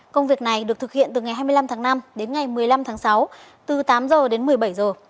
công việc này được thực hiện từ ngày hai mươi năm tháng năm đến ngày một mươi năm tháng sáu từ tám giờ đến một mươi bảy giờ